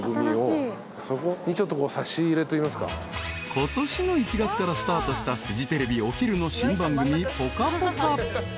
［ことしの１月からスタートしたフジテレビお昼の新番組『ぽかぽか』］